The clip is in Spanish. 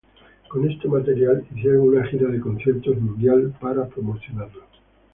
Con este material, hicieron una gira de conciertos mundial para promocionarlo.